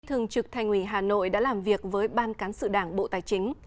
thường trực thành ủy hà nội đã làm việc với ban cán sự đảng bộ tài chính